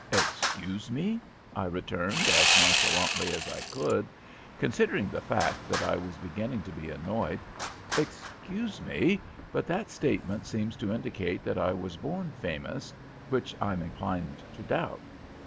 "'Excuse me,' I returned, as nonchalantly as I could, considering the fact that I was beginning to be annoyed 'excuse me, but that statement seems to indicate that I was born famous, which I'm inclined to doubt.